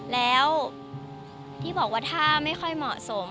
แล้วที่บอกว่าถ้าไม่ค่อยเหมาะสม